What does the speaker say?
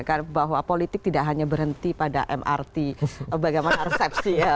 karena bahwa politik tidak hanya berhenti pada mrt bagaimana resepsi ya